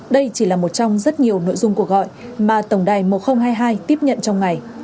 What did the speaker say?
đây chỉ là một trong rất nhiều nội dung cuộc gọi mà tổng đài một nghìn hai mươi hai tiếp nhận trong ngày